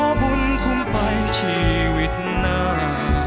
บุญคุณไปชีวิตหน้า